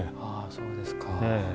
そうですか。